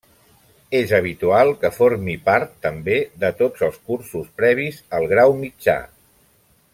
És habitual que formi part, també, de tots els cursos previs al grau mitjà.